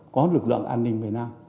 có lực lượng an ninh miền nam